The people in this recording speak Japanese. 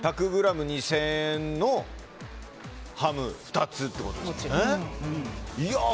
１００ｇ２０００円のハム２つってことですからね。